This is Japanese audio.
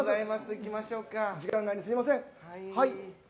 時間外にすみません。